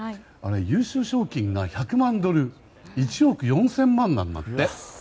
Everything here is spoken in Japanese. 優勝賞金が１００万ドル１億４０００万円なんだって。